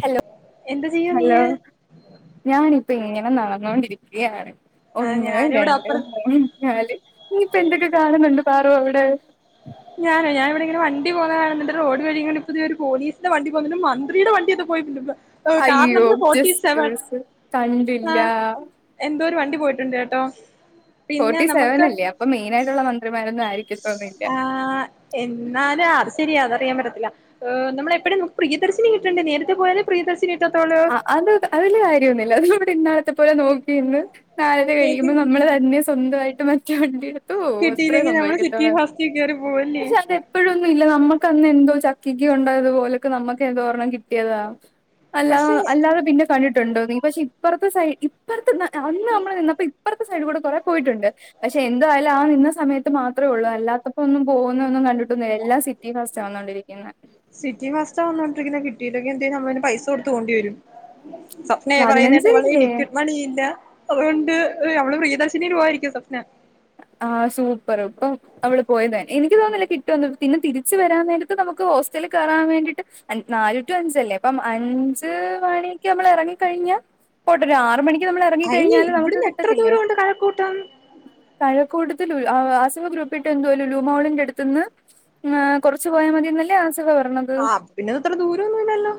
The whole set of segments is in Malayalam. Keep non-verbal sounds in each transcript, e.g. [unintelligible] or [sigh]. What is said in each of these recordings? ഹലോ എന്താ ചെയ്യാ ഹലോ നീയ് ഞാനിപ്പൊ ഇങ്ങനെ നടന്ന് ന്നോണ്ടിരിക്കാണ് ആ ഒന്ന് ഞാനിവിടെ രണ്ട് അപ്പുറ മൂന്ന് നാല് ഇയിപ്പ എന്തൊക്കെ കാണുന്നുണ്ട് സറും എവിടെ ഞാനേ ഞാനിവിടെ ഇങ്ങനെ വണ്ട പോ റോഡ് കഴഞ്ഞിണ്ട് ഇപ്പ ഇ ഒരു പോലീസിന്റെ വണ്ടി പോകിട്ടണ്ട് മന്ത്രിയുടെ വണ്ടി പോയിട്ടുണ്ട് അയ്യോ ജസ്സ് മിസ്സ്‌ ആ കണ്ടില്ല എന്തോ ഒരു വണ്ടി പോയിട്ടുണ്ട് കേട്ടോ പിന്നെ ഫോർട്ടി സെവൻ നമുക്ക് അല്ലേ അപ്പൊ മെയിനായിട്ടുള്ള മന്ത്രിമാര ആ എന്നാല അത് ശരിയാതാ ചെയ്യാൻ പറ്റത്തില്ല ഏ നമ്മളെപ്പെയും മുക്ക് പ്രിയദർശിനി കിട്ടണ്ട് നേരത്തെ പോയാലെ പ്രിയദർശിനി കിട്ടത്തോളൂ ആ അത് അതില് കാര്യൊന്നുമില്ല അ ഇന്നാലത്തെ പോലെ നോക്കിന്ന് നാള അത് നോക്ക് കഴിക്കുമ്പോൾ നമ്മള് തന്നെ സ്വന്തമായിട്ട് മ റ്റോണ്ടിട്ടും കിട്ടിയില്ലെങ്കി നമ്മള് ചുറ്റി ഹസ്ക്ക്റി പോവല്ലേ നമ്മക്കന്ന് എന്തോ ചക്കക്ക ഉണ്ടായത് പോലൊക്കെ നമുക്ക് എന്തോരെണം കിട്ടിയതാണ് അല്ലാ പക്ഷെ അല്ലാതെ പിന്നെ കണ്ടിട്ടുണ്ടോ നീ പക്ഷെ ഇപ്പറത്തെ സൈഡ് ഇപ്പറത്തെ അന്ന് നമ്മള് നിന്ന അപ്പ ഇപ്പറത്തെ സൈഡ് കൂടെ കുറെ പോയിട്ടുണ്ട് പക്ഷെ എന്തായാലും ആ നിന്ന് സമയത്ത് മാത്രമേ ഉള്ളൂ അല്ലാത്തപ്പോൊ ഒന്നും പോകുന്ന ഒന്നും കണ്ടി ക എല്ലാ സിറ്റി ബസ്സാ വന്നോണ്ടിരിക്കുന്ന കുട്ടെ എന്തും നമ്മെള് പൈസ കൊടുത്തു പേകോണ്ടി വരും സ്വപ്നയ പറയുന്ന കേട്ട വള പതിനഞ്ചില്ലേ ലിക്വിഡ് മണി ഇല്ല അതുകൊണ്ട് നമ്മള് പ്രിയദാശിനി പോവമായിരിക്കും സ്വപ്ന- ആ സൂപ്പർ ഇപ്പം അവള് പോയത്െ എനിക്ക് തോന്നുന്നില്ല കിട്ടുവന്നു പിന്നെ തിരിച്ചു വരാൻ നേരത്ത് നമുക്ക് ഹോസ്റ്റലിൽ കയറാൻ വേണ്ടിട്ട് നാല് ടു അഞ്ചല്ലേ അപ്പം അഞ്ച മണിക്ക് നമ്മൾ ഇറങ്ങ കഴിഞ്ഞാൽ പോട്ട ഒരു ആറ മണിക്ക് നമ്മൾ അയിന് ഇറങ്ങിക്കഴിഞ്ഞാല് നമുക്ക് ഇവിടുന്ന് എത്ര ദൂരോണ്ട് കഴക്കൂട്ടം. മഴ കൂടുതൽ ഉള അസവ ഗ്രൂപ്പിട്ട് എന്തോ ലുലൂ മോളിന്റെട്ത്ത്ന്ന് ങേ കൊറച്ച് പോയാൽ മതിന്നല്ലേ അസ് ആഹ് പിന്ന ഇത് ഇത്ര ദൂരൊന്നും ഇല്ലല്ലോ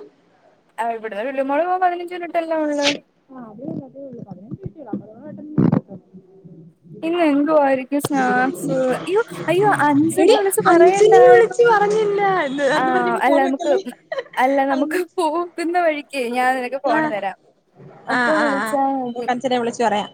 ആഹ് ഇവിട ലുലു മാളു പോവാൻ പതിനഞ്ച് മിനി ആഹ് അതേ അ അതേ ഉള്ളൂ പതിനഞ്ച്ീച്ചള ആ ഇന്ന്െങ്ക ആയിരിക്കും സ്നാക്സ് അയ്യോ അയ്യോ അഞ്ജനെ എടി വിളിിച്ചു അഞ്ജലി പറയണ്ടായോ വിളിച്ച് പറഞ്ഞില്ല എന്ന് പറഞ്ഞ് ആഹ് അല്ല ഫോൺ നമുക്ക് വെക്കല്ലേ അല്ല നമുക്ക് പോകുന്ന വഴി ക്ക് ഞാൻ നിനക്ക് ഫോൺ ആഹ് തരാം അപ്പൊ ആഹ് ആഹ് ആഹ് വിളച്ചാ മതി നമുക്ക് അഞ്ജലിയെ വിളിച്ചു പറയാം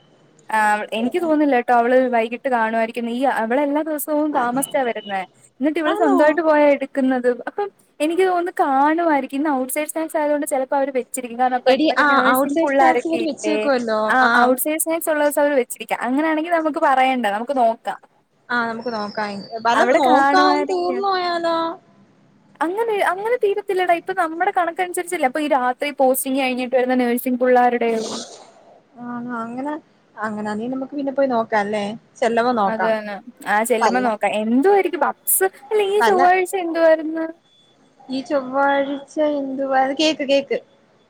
ആ എനിക്ക് തോന്നുന്നില്ലട്ടോ അവള് വൈകി ട്ട് കാണുവായിരിക്കുന്ന് ഈ അവളെല്ലാം ദിവസവും താമസിച്ച വരുന്നേ എന്നിട്ട് ഇവള് ആന്നോ സ്വന്തവായിട്ട് പോയ എടുക്കുന്നത്. അ അപ്പം എനിക്ക്തോന്നുന്നു കാണുവാരിക്കും ഔട്ട് സൈസേഴ്‌സ് ആയതുകൊണ്ട് ചിലപ്പോ അവര് വെ ചിരിക്കും കാരണം ഇപ്പം എടി ഒരു ആഹ് ഔട്ട് നേഴ്സിങ് സൈഡ് സ്നാക്സ് ഇവര് വെച്ച് പുള്ളാരൊക്കെയില്ലേ വെക്കുവല്ലോ ആഹ് ഔട്ട്സൈസ് [unintelligible] അവര് വെച്ചു ക്കാം അങ്ങനാണെങ്കി നമുക്ക് പറയണ്ട നമുക്ക് നോക്കാം. ആ നമുക്ക് നോക്കാം എൻ അല്ല അവിടെ നോക്കാം കാണുമായിരിക്കും തീർന്ന് പോയാലോ അങ്ങനെ അങ്ങനെ തീരത്തില്ലടാ ഇപ്പ നമ്മുടെ കണക്കനുസരിച്ചല്ലെ ഇപ്പൊ ഈ രാത്രി പോസ്റ്റിങ്ങ് കഴിഞ്ഞിട്ട് വരുന്ന നേഴ്സിങ്ങ് [unintelligible] അങ്ങനെ അ [unintelligible] മീൻ നമുക്ക് പിന്നെ പോയി നോക്കാല്ലേ അതാണ് ആഹ് ചെല്ലുമ്പോ നോക്കാം എന്തുവാരി [unintelligible] അല്ല ഈ പല ചൊവ്വാഴിച്ച എന്തുവാരു ഈ ചൊവ്വാഴ്ച്ച എന്തുവാ അത് കേക്ക് കേക്ക്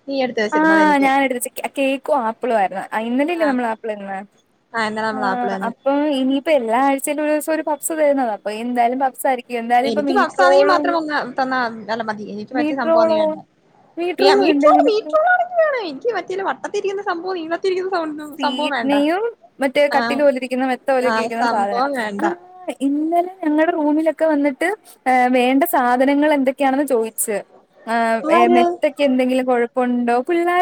നീ എടുത്ത് വെച്ചിരുന്നത് ആഹ് എനിക്ക് [unintelligible] കേക്കും ആപ്പിളുവാരുന്നു അഹ് ഇന്നലയല്ലേ ആഹ് നമ്മള് ആപ്പിള് തിന്ന. ആഹ് എന്നാ നമ്മൾ ആപ്പിൾ ആഹ് തന്നെ അപ്പൊ ഇനിയിപ്പോ എല്ലാ ആഴ് [unintelligible] ഒരു ദിവസം ഒരു പപ്സ് തരുന്നതാ അപ്പ എന്തായാലും പപ്സാരി എനിക്ക് പപ്സാണെങ്കി മാത്രം വന്ന, തന്നാ അല്ല മതി എനിക്ക് മറ്റേ മീറ്റ്റോളോ സംഭവൊന്നും വേണ്ട [unintelligible] മീറ്റ്റോളും ഉണ്ടോ മീറ്റ്റോള് മീ നിനക്ക് [unintelligible] എനിക്കീ മറ്റേല്ല വട്ടത്തിരിക്കുന്ന സംഭവം നിള സ്വീറ്റ്നയും മറ്റേ ആഹ് കട്ടില് പോലിരിക്കുന്ന മെത്തപോലക്കെ ആഹ് ഇരിക്കുന്ന സാധനം സംഭവം വേണ്ട ആഹ് ഇന്നലെ ഞങ്ങടെ റൂമിലൊക്കെ വന്നി വന്നിട്ട് വേണ്ട സാധനങ്ങൾ എന്തൊക്കെയാണെന്ന് ചോദിച്ച് ആഹ് എഹ് ആര് മെത്തക്കെന്തെങ്കിലും കൊഴ ഉണ്ടോ പിള്ളാ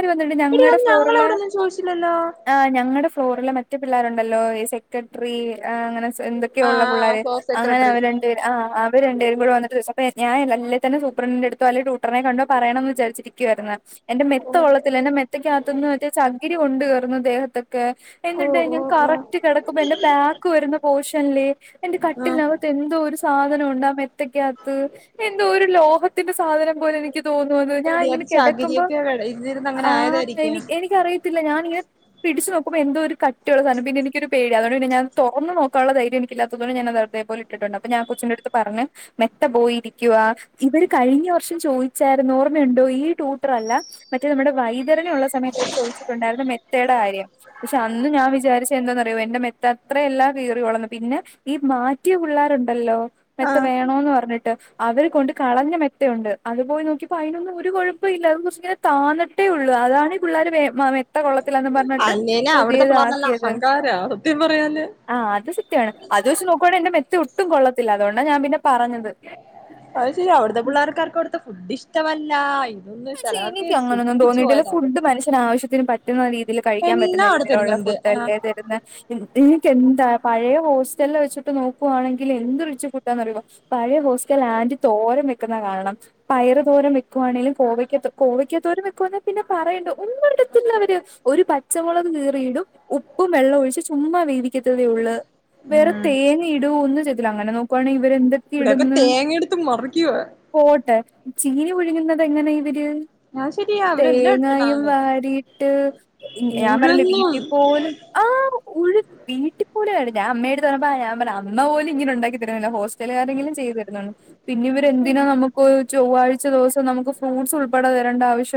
എടി അത് ഞങ്ങളവിടൊന്നും ചോദിച്ചില്ലല്ലോ അഹ് ഞങ്ങളടെ ഫ്ലോറില് മറ്റെ പിള്ളേരുണ്ടല്ലോ ഈ സെക്രട്ടറി അഹ് അങ്ങനെ എന്തൊക്കെയൊ ഉള്ള ആഹ് പിള്ളേര് ഫ്ലോർ അങ്ങനെ സെക്രട്ടറി അവര് രണ്ടുപേര് ആ അവര് രണ്ടു പേരും കൂടെ വന്നിട്ട് സപ്പേ ഞാനിതല്ലേ തന്നെ സൂപ്രണ്ടിന്റെടുത്തോ അല്ലെ ടൂട്ടറിനെ കണ്ടോ പറയണോന്ന് വിചാരിച്ചിരിക്കുവാരുന്നു എന്റെ മെത്ത ഓഹ് കൊള്ളത്തില്ല എന്റെ മെത്തക്കാത്തുന്ന് മറ്റേ ചകി ചകിരി കൊണ്ട് കേർ കേറുന്നു ദേഹത്തെ ഒക്കെ എന്നിട്ട് ഓഹ് ഞാൻ കറക്റ്റ് ഓഹ് കിടക്കുമ്പം എന്റെ ബാക്ക് വരുന്ന പോർഷനില് എന്റെ ആഹ് കട്ടിലിനകത്ത് എന്തോ ഒരു സാധനം ഉണ്ട് മെത്തക്കകത്ത് എന്തോ ഒരു ലോഹത്തിന്റെ സാധനം പോലെ എനിക്ക് തോന്നു അത് എടി അത് ഞാനിങ്ങനെ കിടക്കുമ്പോ ചകിരിയൊക്കെ ഇതിരുന്ന് അങ്ങനെ ആഹ് എനി ആയതായിരിക്കും എനിക്കറിയത്തില്ല ഞാനിങ്ങനെ പിടിച്ച് നോക്കുമ്പോ എന്തോ ഒരു കട്ടിയുള്ള സാധനം പിന്നെ എനിക്കൊരു പേടി അതുകൊണ്ട് ഞാൻ തുറന്ന് നോക്കാനുള്ള ധൈര്യം ഇല്ലാത്തതുകൊണ്ട് ഞാൻ അത് അതുപോലെ അത് ഇട്ടിട്ടുണ്ട് അപ്പോ ഞാൻ കൊച്ചിൻ്റെ അടുത്ത് പറഞ്ഞ് മെത്ത പോയിരിക്കുക ഇവർ കഴിഞ്ഞ വർഷം ചോദിച്ചായിരുന്നു ഓർമ്മയുണ്ടോ ഈ ടൂട്ടർ അല്ല മറ്റേ നമ്മുടെ വൈദ്യ [unintelligible] സമയത്ത് ചോദിച്ചിട്ടുണ്ടായിരുന്നു മെത്തയുടെ കാര്യം പക്ഷെ അന്ന് ഞാൻ വിചാരിച്ച എന്താറിയോ എന്റെ മെത്ത അത്രയല്ല കീറി വളർന്നു പിന്നെ ഈ മാറ്റിയ പിള്ളേരുണ്ടല്ലോ മെത്ത ആഹ് വേണോന്ന് പറഞ്ഞിട്ട് അവർ കൊണ്ട് കളഞ്ഞ മെത്ത ഉണ്ട് അതുപോയി നോക്കിയപ്പോ അതിനൊന്നും ഒരു കുഴപ്പം ഇല്ലാന്ന് വെച്ചെ താന്നട്ടേ ഉള്ളു അതാണ് ഈ പിള്ളേർ മെത്ത കൊള്ള കൊള്ളാതില്ലന്ന് പറഞ്ഞിട്ട് അല്ലേലും അവിടുത്തെ പുതിയത് പിള്ളേർനെല്ലാം ആക്കിയത് അഹങ്കാര സത്യം പറയാല് ആഹ് അത് സത്യമാണ് അത് വെച്ച് നോക്കുവാണെങ്കിൽ എന്റെ മെത്ത ഒട്ടും കൊള്ളത്തി ത്തില്ല അതൊണ്ടാ ഞാൻ പിന്നെ പറഞ്ഞ അത്ശെരിയാ അവടെത്തെ പിള്ളേർക്കാർക്കും ഇവടെത്തെ ഫുഡിഷ്ടവല്ല ഇ പഷേ എനിക്ക് അങ്ങനൊന്നും തോന്നിട്ടില്ല ഫുഡ് മനുഷ്യൻ ആവശ്യത്തിന് പറ്റുന്ന രീതില് കഴിക്കാൻ പറ്റുന്ന എല്ലാം അവിടെ രീതിയിലോള്ള തരുന്നുണ്ട് ഫുഡ് ആ അല്ലേ തരുന്നേ എന്നിട്ടെന്താ പഴേ ഹോസ്റ്റലിൽ വെച്ചിട്ട് നോക്കുവാണെങ്കിൽ എന്ത് റിച്ച് ഫുഡ് ആന്നറിയോ പഴയ ഹോസ്റ്റൽ ആൻറ്റി തോരം വെക്കുന്ന കാണണം പയറ് തോരം വെക്കുവാണെലും കോവയ്ക്ക കോവയ്ക്കത്തോരൻ വെയ്ക്കുവാ പിന്നെ പറയണ്ട ഒന്നിടത്തിൽ അവർ ഒരു പച്ചമുളക് കീറിയിടും ഉപ്പും വെള്ളം ഒഴിച്ച് ചുമ വേവിക്കത്തതേ ഒള്ള് വേറെ ഉം തേങ്ങേ ഇടുവോ ഒന്നും ചെ ത്തില്ല അങ്ങനെ നോക്കുവാണെ അവരെന്തൊക്കെ ഇവിടെയൊക്കെ ഇട്ന്ന് തേങ്ങ എടുത്ത് മറിക്കുവാ പോട്ടെ ചീനി പുഴുങ്ങുന്ന ത് എങ്ങനെ ഇവര് ട്ട് അത് ശരിയാ അവരെല്ലാം തേങ്ങായും ഇട്ടിട്ടാണ് വാരിയിട്ട് ഞാൻ പറഞ്ഞൂല്ലേ ഉഴുന്നും വീട്ടി പോലും ആഹ് ഉ വീട്ടി പോലും ഞാൻ അമ്മേടുത്ത് പറഞ്ഞപ്പാ ഞാൻ പറഞ്ഞ് അമ്മ പോലും ഇങ്ങനെ ഒണ്ടാക്കി തരുന്നില്ല ഹോ ചെല കാര്യങ്ങളും ചെയ്തു തരുന്നൊണ്ട് പിന്നെ ഇവരെന്തിനാ നമുക്ക് ചൊവ്വാഴ്ച ദിവസം നമുക്ക് ഫ്രൂട്ട്സ് ഉൾപ്പെടെ തരേണ്ട ആവശ്യ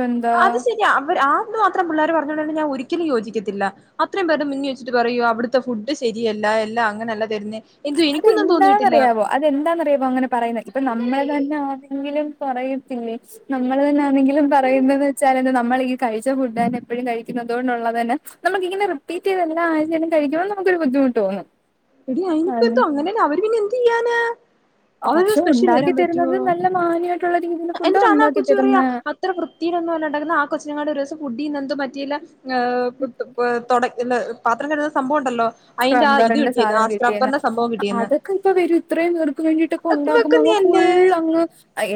അത് ശെരിയാ അവര് ആന്ന് മാത്രം പിള്ളേർ പറ [unintelligible] ഞാൻ ഒരി ഒരിക്കലും യോജിക്കത്തില്ല. അത്രയും പേര് മുന്നിൽ വെച്ചിട്ട് പറയൂക അവിടുത്തെ ഫുഡ് ശരിയല്ല എല്ലാം അങ്ങനെ അല്ല തരുന്നേ. എന്തോ അത് എനിക്കൊന്നും തോന്നിയിട്ടില്ല എന്താന്നറിയാവോ അതെന്താ ന്നറിയാവോ അങ്ങനെ പറയുന്നത് ഇപ്പൊ നമ്മെ തന്നെ ആരെങ്കിലും പറയത്തില്ലേ നമ്മൾ തന്നെ ആണെങ്കിലും പറയുന്നതെന്ന് വെച്ചാൽ നമ്മൾ ഈ കഴിച്ച ഫുഡ് തന്നെ എപ്പോഴും കഴിക്കുന്നത് ക. അതുകൊണ്ട് ഉള്ളത് തന്നെ നമ്മുക്കിങ്ങനെ റിപ്പീറ്റ് ചെയ്തല്ല ആദ്യം തന്നെ കഴിക്കുമ്പോൾ നമുക്ക് ഒരു ബുദ്ധിമുട്ട് തോന്നും. [inaudible] അയിനിപ്പോ അത് എന്തോ അങ്ങനെയന്ന അവർ പിന്നെ എന്ത് ചെയ്യാനാ? അവ പക്ഷെ സ്പെഷ്യൽ വരാൻ ഉണ്ടാക്കി പറ്റുവോ? തരുന്നത് നല്ല മാന്യമായിട്ടുള്ള രീതിയിൽ ഫുഡ് എന്നിട്ടാ ആ ഉണ്ടാക്കി കൊച്ചു പറയാ തരുന്ന അത്ര വൃത്തിയിയിലൊന്നും ഉണ്ടാക്കുന്നേ ആ കൊച്ചിനങ്ങാട് ഒരു ദിവസം ഫുഡീന്ന് എന്തും പറ്റിയില്ല [inaudible] പാത്രം കഴുകുന്ന സംഭവം ഉണ്ടല്ലോ? അതിന്റെ ആ ഇത് റബ്ബറിന്റെ കിട്ടിയെന്ന് ആ സാധനം കിട്ടിയ സ്ക്രബ്ബറിന്റെ സംഭവം കിട്ടിയെന്ന് അതൊക്കെ ഇപ്പൊ വരും ഇത്രയും പേർക്ക് വേണ്ടിട്ടൊക്കെ അതൊക്കെ ഉണ്ടാക്കുമ്പോ അങ്ങ് ഫുൾ വെക്കുന്നയല്ലേ അങ്ങ്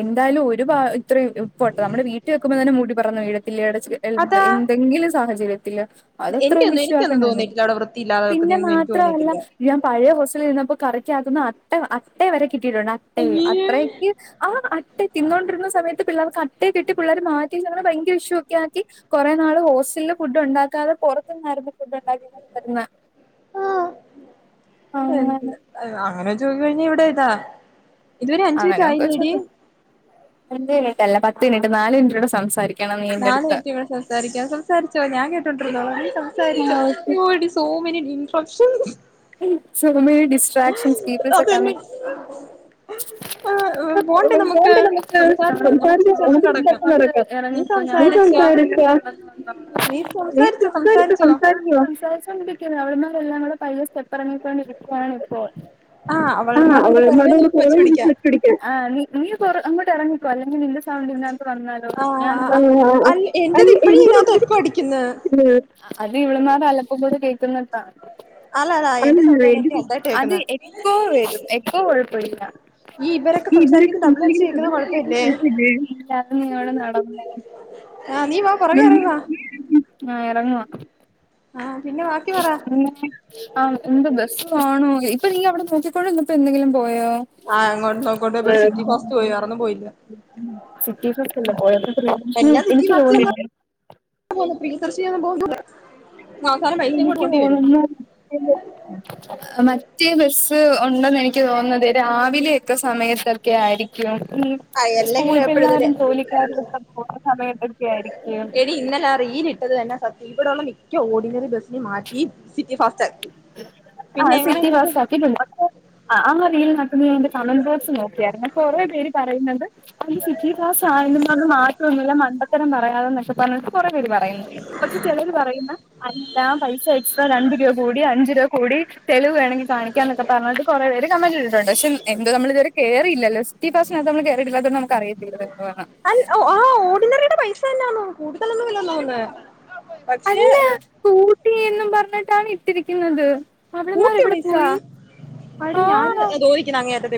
എന്തായാലും ഒരു ഇത്ര പോട്ടെ നമ്മുടെ വീട്ടിൽ വെയ്ക്കുമ്പോ തന്നെ മുടി പറന്നു വീഴത്തില്ലേ? എന്തെങ്കിലും സാധന [inaudible] എന്റെയൊന്നും എനിക്കൊന്നും തോന്നിയിട്ടില്ല അവിടെ വൃത്തില്ലാതെ പിന്നെ മാത്രമല്ല ഞാൻ പഴയ ഹോസ്റ്റലിൽ നിന്നപ്പോ കറി [unintelligible] അട്ട വരെ കിട്ടിയിട്ടുണ്ട് അട്ടേ അയ്യേ അത്രക്ക് ആ അട്ടെ തിന്നോണ്ടിരുന്ന സമയത്ത് പിള്ളേർക്ക് അട്ടയെ കിട്ടി പിള്ളേർ മാറ്റ ഞങ്ങള് ഭയര വിഷയക്ക ആക്കി കുറെേ നാള് ഹോസ്റ്റലിൽ ഫുഡ് ഉണ്ടാക്കാതെ പുറത്തുന്നായിരുന്നു ഫുഡ് ഉണ്ടാക്കി തരുന്ന അങ്ങനെ [unintelligible] അങ്ങനെ [unintelligible] ഇവിടെ ഇതാ ഇതുവരെ അഞ്ചു മിറ്റ് അങ്ങനെയൊക്കെ ആയില്ലേടി? ചോദിക്കും അഞ്ച് മിനിറ്റ് അല്ല പത്ത് മിനിറ്റ് നാല് മിനിറ്റ്ടെ സംസാരി നാല് മിൻറ്റ് ഇവിടെ സംസാരിക്കാ സംസാര്ച്ചോ ഞാന് തെത്ര നാളായി സംസാരിക്കോ യോടി സോ മെനി ഇൻഫെക്ഷൻ ഉം അത് തന്നെ ആഹ് പോണ്ടേ നമുക്ക് സംസാരിച്ച നമുക്ക് [unintelligible] സംസാരിച്ച് കെടക്കാം നീ സംസാരിച്ചോ നീ സംസാരിച്ചോ സംസാരിച്ചോ [inaudible] എല്ലാം കടെ പയ്യെ [unintelligible] പറഞ് കൊണ്ടിരിക്കാണ് ഇപ്പോൾ. ആഹ് അവൾമാരുടെ കൂടെ കൊറവേ നമുക്ക് വെച്ച് പിടിക്കാം [unintelligible] നീ അങ്ങോട്ട് ഇറങ്ങി കൊല്ലങ്ങെ നിന്ന് ആഹ് അല്ല എന്റെത് ഇപ്പഴും ഇതിനകത്ത് എക്കോ അടിക്കുന്ന് [unintelligible] [unintelligible] [inaudible] പിന്നെത്ത അല്ലല്ല എന്റെ സൗണ്ടാണ് എനിക്ക് [unintelligible] വലുതായിട്ട് അത് കേക്കുന്നെ എക്കോ വരും എക്കോ കൊഴപ്പല്ല ഈ ഇവരൊക്കെ സംസാരിക്കുന്നത് ഡബിൾ അടിച്ച് കേക്കുന്ന കൊഴപ്പല്ലേ ആഹ് നീ വാ പൊറകെ എറങ്ങി വാ ആഹ് പിന്നെ ബാക്കി പറ [inaudible] ആഹ് എന്ത് ബസ് വാണോ ഇപ്പൊ നീ അവിടെ നോക്കിക്കൊണ്ട്ന്നപ്പോ എന്തെങ്കിലും പോയോ [inaudible] ആഹ് അങ്ങോട്ടും നോക്കോട്ടും ഇവര് സിറ്റി ഫാസ്റ്റ് പോയി വേറൊന്നും പോയില്ല എല്ലാ സിറ്റി ഫാസ്റ്റ് തന്നെ പോവുന്നെ പ്രിയദർശിനി ഒന്നും പോവുന്നില്ല അവസാനം പൈസയും കൂടെ എനിക്ക് പോണ്ടി വരും തോന്നുന്നു മറ്റേ ബസ്സ് - ഉണ്ടെന്ന് എനിക്ക് തോന്നുന്നത് രാവിലെയൊക്കെ സമയത്തൊക്കെ ആയിരിക്കും ആഹ് സ്കൂൾ എല്ലെങ്കിലും എപ്പഴും തന്നെ പിള്ളാരും ജോലിക്കാരും ഒക്കെ പോകുന്ന സമയത്തൊക്കെ ആയിരിക്കും എടി ക്ക ഓഡിനറി ബസിൽ മാറ്റി സിറ്റി ഫാസ്റ്റ് ആക്കി ആ പിന്നെ എങ്ങനെ സിറ്റി നമുക്ക് ബസ് ആക്കി [unintelligible] അങ്ങന അ ൻ [unintelligible] ന്റെ കമന്റ് ബോക്സ് നോക്കിയായിരുന്നു കുറെേ പേര് പറയുന്നുണ്ട് അത് സിറ്റി ദാസ് ആയെന്നും പറഞ് മാത്ര ഒന്നുമില്ല മണ്ട - ഇത്തരം പറയാത പക്ഷെ - കൊറേ പേര് പറയുന്നു പക്ഷെ ചെലരു പറയുന്ന് അല്ല പൈസ എക്സ്ട്രാ രണ്ട് രൂപ - അഞ്ചര കോടി തെളിവു വേണെങ്കിൽ കാണിക്കാന്നൊക്കെ പറഞ്ഞിട്ട് കൊറേ പേര് കമന്റ് ഇട്ടിട്ടുണ്ട് പക്ഷെ എന്തോ നമ്മള് ഇതുവരെ ക കേറിയില്ല ല [unintelligible] സ്റ്റി പാസിനാത്ത് നമ്മള് കേറിയിട്ടല്ലാതൊണ്ട് നമുക്ക് അറിയത്തില്ല അത് എന്തുവാ എന്ന് തന്നെയാന്നോ കൂടുതലൊന്നും ഇല്ലല്ലോന്ന് അല്ല കൂട്ടി എന്നും പറ ഞ്ഞിട്ടാണ് ഇട്ടിരിക്കുന്നത് അവള്മാര് കൂട്ടിയ എവിടെ പൈസാ പോയി അടി ഞാന് തോയിക്കണ അങ്ങേയറ്റേ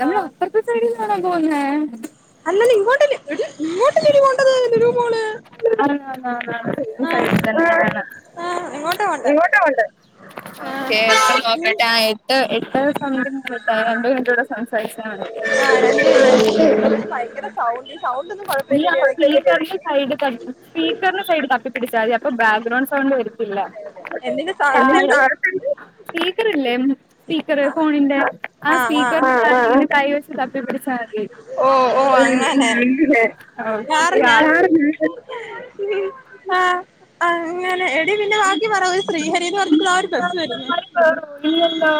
നമ്മള അപ്പറത്തെ സൈഡിൽ കാണാൻ പോകുന്നെ അല്ലല്ല ഇങ്ങോട്ടില്ല എടി ഇങ്ങോട്ടല്ലേടി പോണ്ടത് ലുലു മോള് [inaudible] ആഹ് ആ ആഹ് ഇങ്ങോട്ടാ പോണ്ടേ ഇങ്ങോട്ട പോണ്ട് ഓകെ ടൈ ആഹ് ഈ നോക്കട്ടെ എട്ട് എട്ട് സമയതിൻ്റെ രണ്ടേ രണ്ട് മിനിറ്റൂടെ സംസാരിച്ചാ മതി ആഹ് രണ്ട് പക്ഷെ ഭയങ്കര സൗണ്ട് ഈ സൗണ്ട് ഒന്നും കുഴപ്പമില്ലല്ലേ ഇടക്ക് സീക്കറിൻ്റെ സൈഡ് സ്പീക്കറിന്റെ സൈഡ് തപ്പിപ്പടിച്ചാ മതി അപ്പൊ ബാക്ക്ഗ്രൗണ്ട് വിടത്തില്ല എന്തിന്റെ സ സൈഡ് താഴെത്തേക്ക് സ്പീക്കറില്ലേ സ്പീക്കർ ഫോണിന്റെ ആ ആഹ് സ്പീക്കർ ആഹ് ആ ആ താഴെ [unintelligible] ആ ആഹ് ആഹ് അങ്ങനെ പിന്നെ ബാക്കി പറ ഒരു ശ്രീഹരിന്ന് പറഞ്ഞിട്ടുള്ള ആ ഒരു ബസ് വരുന്നു ഇല്ലല്ലോ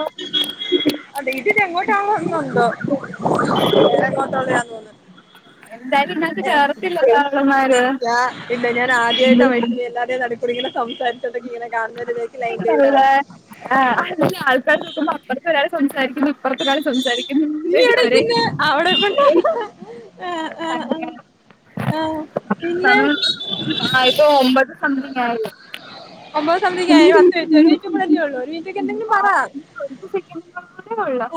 അതെ [unintelligible] ഉ [unintelligible] എന്തായാലും ഇന്ന് ഏഹ് കേറത്തില്ല കാളന്മാര് ഞാ ഇങ്ങന സംസാരിച്ചതെക്ക് ഇങ്ങനെ കാലിന്റെടേൽ [unintelligible] സംസാരിക്കുന്നു ഇപ്പുറതൊരാൾ സംസാരിക്കുന്നു നീ ഒരേ എവിടെക്കന്ന അവിടെക്കണ്ട പിന്നെ സമയം ആയിട്ടോ ഒമ്പത് സംതിിങ് ആര് ഉം ഒമ്പത് സമതിക്ക പത്ത് മിനിറ്റ് ഒരു മിനിറ്റ് കൂടെ അല്ലെ ഒള്ളു നീ എന്തെങ്കിലും ആ പറ കുറച്ച് സെക്കൻഡുകൾ കൂടെ ഉള്ളു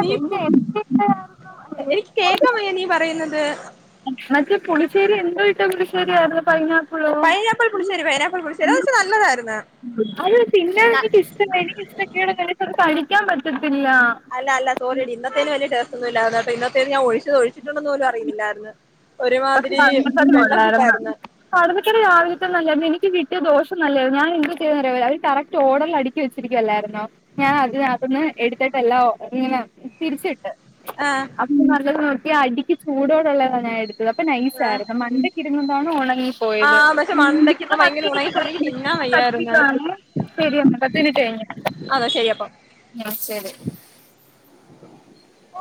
നീ പിന്നെ എന്തിട്ടായിരുന്നു എനിക്ക് കേക്കാ വയ്യ നീ പറയുന്നത് പുളിശ്ശേരി ഉണ്ടോയിച്ചാ പുളശ്ശേരി ആയിരുന്നു കഴിഞ്ഞു പൈനാപ്പിൾ പുളിശ്ശേരി പൈനാപ്പിൾ പുളിശ്ശേരി അത് പക്ഷെ നല്ലതായിരുന്നു അത് പിന്ന എനിക്കഷ്ട എനിക്കിഷ്ടജെകേടൊന്നൂല്യ പഠിക്കാൻ പറ്റു അല്ല അല്ല സോറിടി ഇന്നത്തേന് വല്ല്യ ടേസ്റ്റ് ഒന്നുല്ല കേട്ടോ ഇന്നത്തെത് ഞാൻ ഒഴിച്ചത് ഒഴിച്ചിണ്ടെന്ന്പോലും അറിയുന്നില്ലായിരുന്നു പക്ഷെ ഒരുമാതിരി കായിരുന്ന വെള്ളം കൂട്ടായിരുന്നു കടമട്ടല് രാവിലെത്തെന്ന നല്ലായിുന്ന എനിക്ക്ട്ട [unintelligible] അത് ദോശ നല്ലായിരുന്നു. ഞാൻ എന്ത് ചെയ്തെന്ന്അറിയുമോ കറക്റ്റ് ഓർഡറിൽ അട്ക്കി വച്ചിരിക്കുവല്ലായിരുന്നോ ഞാൻ അത് അതിനകത്തുന്ന് എടുത്തിട്ട്എല്ലാം ഇങ്ങനെ തിരിച്ച് ആഹ് [unintelligible] ഈ അടിക്ക് ചൂടോടുള്ളതാ [inaudible] അ നൈസ് ആഹ് ആയിരുന്നു മന്തിക്കിതൊന്നും. [unintelligible] പോയത് ആഹ് പക്ഷെ മണ്ടയ്ക്ക് ഇന്ന് ഭയങ്കര ഉണങ്ങിപ്പോയിട്ട് എനിക്ക് തിന്നാൻ വയ്യായിരുന്നു [unintelligible] ശരിയത്തി കഴിഞ്ഞ അതാ ശരി അപ്പം ശരി ഒ